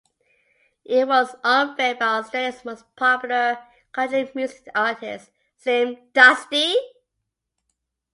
It was unveiled by Australia's most popular country music artist, Slim Dusty.